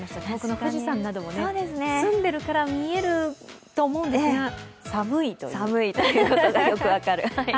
富士山なども澄んでいるから見えると思うんですが、寒いことがよく分かる。